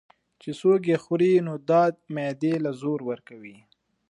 چې څوک ئې خوري نو دا معدې له زور ورکوي